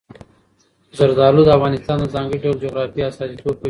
زردالو د افغانستان د ځانګړي ډول جغرافیه استازیتوب کوي.